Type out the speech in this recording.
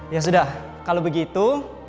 ya sudah kalau begitu